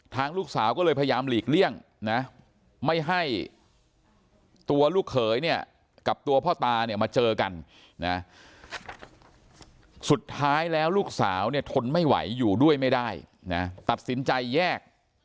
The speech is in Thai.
ลูกสาวก็เลยพยายามหลีกเลี่ยงนะไม่ให้ตัวลูกเขยเนี่ยกับตัวพ่อตาเนี่ยมาเจอกันนะสุดท้ายแล้วลูกสาวเนี่ยทนไม่ไหวอยู่ด้วยไม่ได้นะตัดสินใจแยก